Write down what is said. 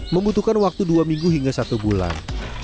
membutuhkan waktu dua minggu hingga satu bulan